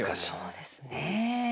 そうですね。